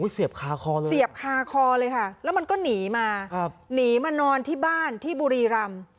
เสียบคาคอเลยค่ะแล้วมันก็หนีมาหนีมานอนที่บ้านที่บุรีรำ